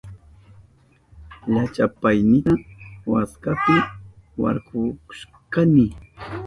Llachapaynita waskapi warkushkani.